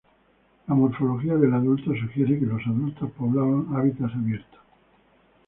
La morfología del adulto sugiere que los adultos poblaban hábitats abiertos.